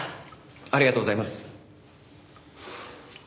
ありがとうございます。